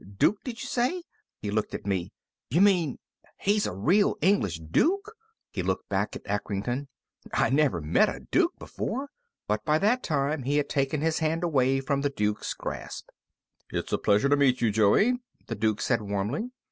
Duke, did you say?" He looked at me. "You mean he's a real English Duke?" He looked back at Acrington. "I never met a Duke before!" But by that time he had taken his hand away from the Duke's grasp. "It's a pleasure to meet you, Joey," the Duke said warmly.